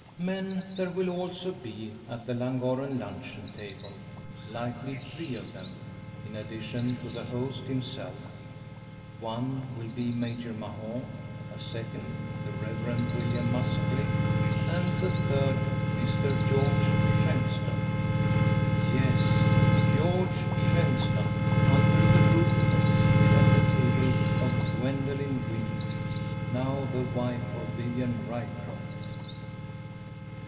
Men there will also be at the Llangorren luncheon table; likely three of them, in addition to the host himself. One will be Major Mahon; a second the Reverend William Musgrave; and the third, Mr George Shenstone! Yes; George Shenstone, under the roof, and seated at the table of Gwendoline Wynn, now the wife of Vivian Ryecroft!